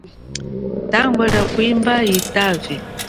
Tangwa lia kwimba yitavi.